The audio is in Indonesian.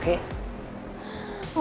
gue bantuin lu oke